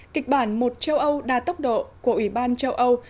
kịch bản một châu âu đa tốc độ của ủy ban châu âu